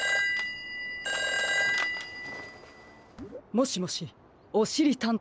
☎もしもしおしりたんてい